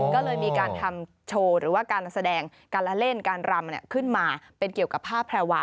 ก็เลยมีการทำโชว์หรือว่าการแสดงการละเล่นการรำขึ้นมาเป็นเกี่ยวกับผ้าแพรวา